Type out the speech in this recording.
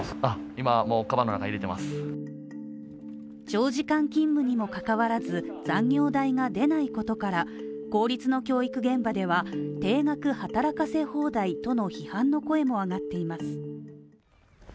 長時間勤務にもかかわらず、残業代が出ないことから、公立の教育現場では定額働かせ放題との批判の声も上がっています。